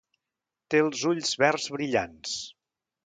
Té els ulls verds brillants.